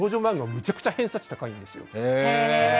めちゃくちゃ偏差値が高いんですよ。